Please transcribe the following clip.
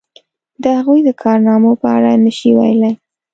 د هغوی د کارنامو په اړه نشي ویلای.